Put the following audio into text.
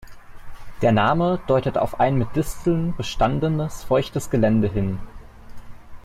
Der Name deutet auf ein mit Disteln bestandenes feuchtes Gelände hin.